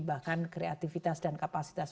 bahkan kreativitas dan kapasitas